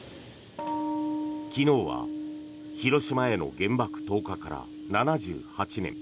昨日は広島への原爆投下から７８年。